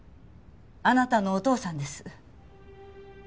あなたのお父さんです。